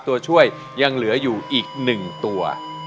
ตัวช่วยยังเหลืออยู่อีก๑ตัว